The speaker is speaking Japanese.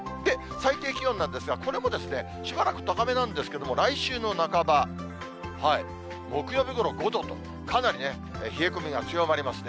最低気温なんですが、これもしばらく高めなんですけれども、来週の半ば、木曜日ごろ、５度と、かなり冷え込みが強まりますね。